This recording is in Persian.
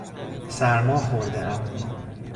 سرما خوردهام.